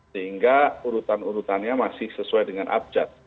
sehingga urutan urutannya masih sesuai dengan abjad